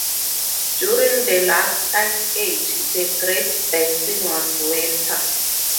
During the last ice age, the Great Basin was wetter.